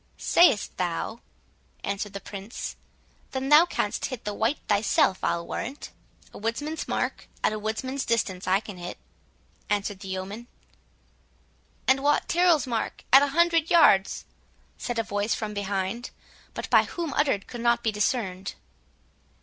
"Sayst thou?" answered the Prince; "then thou canst hit the white thyself, I'll warrant." "A woodsman's mark, and at woodsman's distance, I can hit," answered the yeoman. "And Wat Tyrrel's mark, at a hundred yards," said a voice from behind, but by whom uttered could not be discerned.